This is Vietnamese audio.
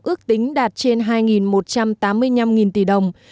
ước tính đạt trên hai một trăm tám mươi năm tỷ đồng